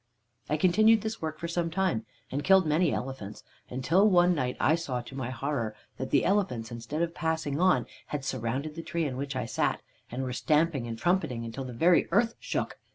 "I continued this work for some time, and killed many elephants, until one night I saw to my horror that the elephants, instead of passing on, had surrounded the tree in which I sat, and were stamping and trumpeting, until the very earth shook.